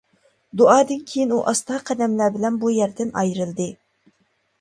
دۇئادىن كىيىن ئۇ ئاستا قەدەملەر بىلەن بۇ يەردىن ئايرىلدى.